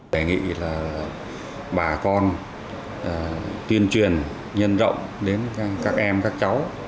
đề nghị là bà con tuyên truyền nhân rộng đến các em các cháu